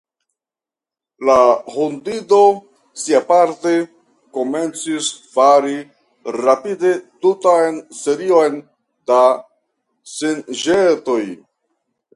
La hundido, siaparte, komencis fari rapide tutan serion da sinĵetoj.